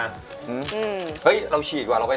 เอ๊งเราฉีกว่าเราไป๒